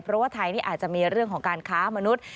เพราะว่าไทยนี่อาจจะมีเรื่องของการค้ามนุษย์